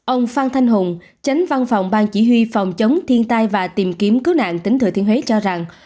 ông phan thanh hùng tránh văn phòng ban chỉ huy phòng chống thiên tai và tìm kiếm cứu nạn tỉnh thừa thiên huế cho rằng